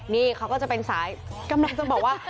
นี่เขาก็จะเป็นสายถ้าไม่รู้จะบอกว่า